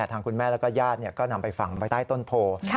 ทางคุณแม่แล้วก็ญาติก็นำไปฝังไว้ใต้ต้นโพ